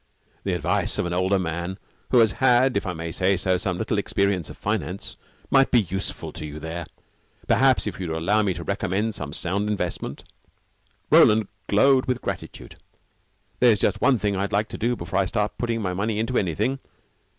"The advice of an older man who has had, if I may say so, some little experience of finance, might be useful to you there. Perhaps if you would allow me to recommend some sound investment " Roland glowed with gratitude. "There's just one thing I'd like to do before I start putting my money into anything.